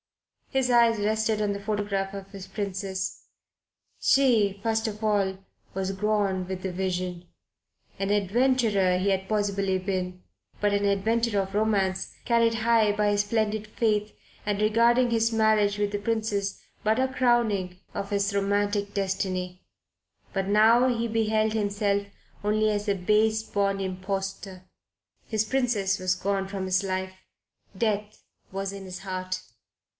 His eyes rested on the photograph of his Princess. She, first of all, was gone with the Vision. An adventurer he had possibly been; but an adventurer of romance, carried high by his splendid faith, and regarding his marriage with the Princess but as a crowning of his romantic destiny. But now he beheld himself only as a base born impostor. His Princess was gone from his life. Death was in his heart.